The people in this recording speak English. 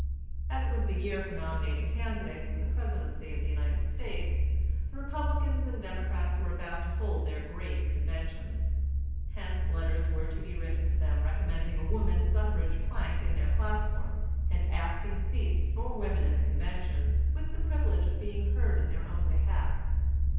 As it was the year for nominating candidates for the presidency of the United States, the Republicans and Democrats were about to hold their great' conventions. Hence letters were to be written to them recommending a woman suffrage plank in their platforms, and asking seats for women in the conventions, with the privilege of being heard in their own behalf.